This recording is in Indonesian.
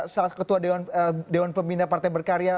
salah ketua dewan pembina partai berkarya